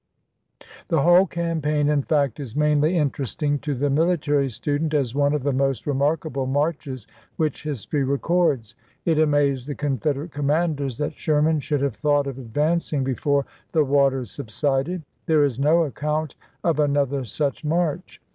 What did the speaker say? The whole campaign in fact is mainly interesting to the military student as one of the most remark able marches which history records. It amazed the Confederate commanders that Sherman should have thought of advancing before the waters sub sided. There is no account of another such march.